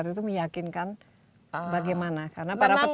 tidak mungkin memang bumbu prekat wilayah itu